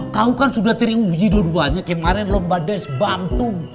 kau kan sudah teruji dua duanya kemarin lomba des bantu